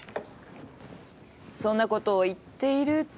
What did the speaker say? そんなことを言っていると。